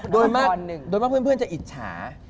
โดยว่าเพื่อนจะอิจฉา